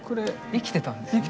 生きてたんですね。